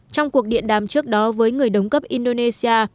trong cuộc điện đàm trước đó với người đồng cấp indonesia